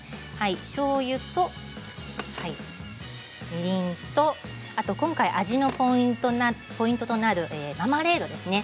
しょうゆとみりんと今回、味のポイントとなるマーマレードですね。